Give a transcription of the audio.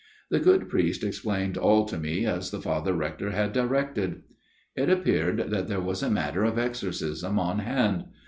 " The good priest explained all to me as the Father Rector had directed. " It appeared that there was a matter of exorcism on hand.